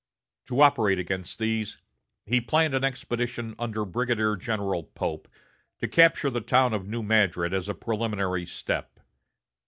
To operate against these, he planned an expedition under Brigadier General Pope to capture the town of New Madrid as a preliminary step.